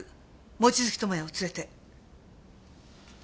望月友也を連れて。